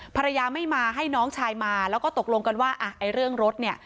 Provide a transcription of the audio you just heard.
ภรรยาไม่มาให้น้องชายมาแล้วก็ตกลงกันว่าอ่ะไอ้เรื่องรถเนี่ย